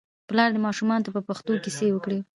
پلار دې ماشومانو ته په پښتو کیسې وکړي.